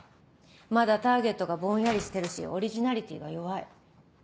まだターゲットがぼんやりしてるしオリジナリティーが弱い。